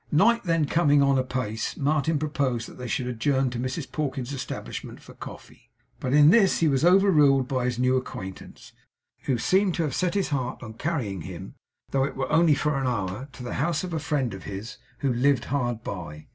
Night then coming on apace, Martin proposed that they should adjourn to Mrs Pawkins's establishment for coffee; but in this he was overruled by his new acquaintance, who seemed to have set his heart on carrying him, though it were only for an hour, to the house of a friend of his who lived hard by.